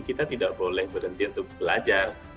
kita tidak boleh berhenti untuk belajar